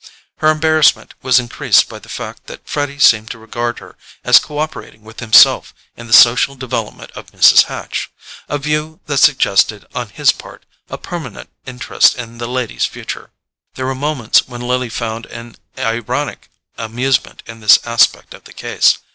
Her embarrassment was increased by the fact that Freddy seemed to regard her as cooperating with himself in the social development of Mrs. Hatch: a view that suggested, on his part, a permanent interest in the lady's future. There were moments when Lily found an ironic amusement in this aspect of the case.